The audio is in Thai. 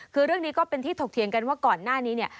คือเรื่องนี้ก็เป็นที่ถกเถียงกันว่าก่อนหน้านี้เนี่ย